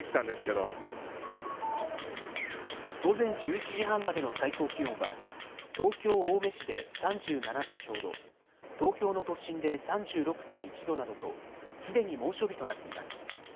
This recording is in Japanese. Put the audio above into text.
午前１１時半までの最高気温は東京青梅市で３７度ちょうど、東京の都心で３６．１度などとすでに猛暑日となっています。